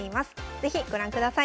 是非ご覧ください。